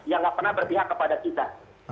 yang gak pernah berpihak kepada kita